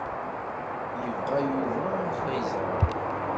Ibɣa Yuba ad aɣ-iẓer.